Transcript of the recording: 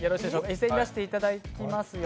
一斉に出していただきますよ。